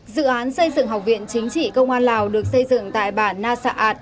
dự án xây dựng học viện chính trị công an lào được xây dựng tại bản nasaat